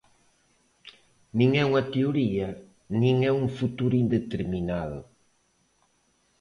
Nin é unha teoría nin é un futuro indeterminado.